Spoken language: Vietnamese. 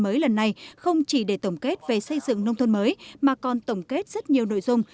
mới lần này không chỉ để tổng kết về xây dựng nông thôn mới mà còn tổng kết rất nhiều nội dung